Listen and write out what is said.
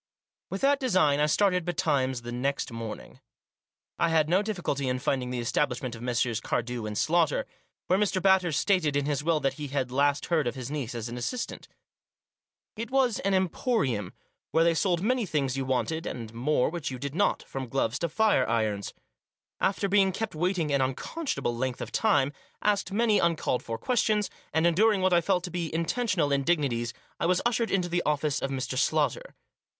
With that design I started betimes the next morning. I had no difficulty in finding the estab lishment of Messrs. Cardew and Slaughter, where Mr. Batters stated in his will that he had last heard of his niece as an assistant. It was an " em porium," where they sold many things you wanted, and more which you did not, from gloves to fire irons. After being kept waiting an unconscionable length of time, asked many uncalled for questions, and enduring what I felt to be intentional indignities, I was ushered into the office of Mr. Slaughter.